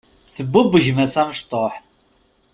Tbubb gma-s amecṭuḥ.